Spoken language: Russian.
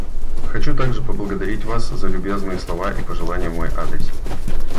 Хочу также поблагодарить вас за любезные слова и пожелания в мой адрес.